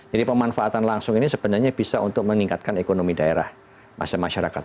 jadi pemanfaatan langsung ini sebenarnya bisa untuk meningkatkan ekonomi daerah masyarakat